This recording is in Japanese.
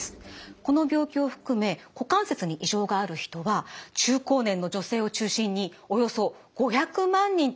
この病気を含め股関節に異常がある人は中高年の女性を中心におよそ５００万人と推計されています。